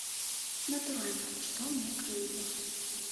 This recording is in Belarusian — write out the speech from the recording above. Натуральна, што мне крыўдна.